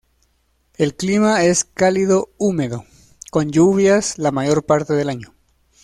El clima es Cálido Húmedo, con lluvias la mayor parte del año.